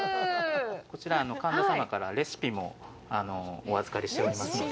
こちら、神田様からレシピもお預かりしておりますので。